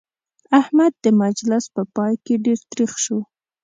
احمد د مجلس په پای کې ډېر تريخ شو.